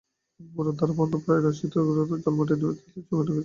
উপরের ধারা বন্ধপ্রায় হলেও রাশীকৃত জল মাটির মধ্য দিয়ে চুইয়ে গঙ্গায় এসে পড়ে।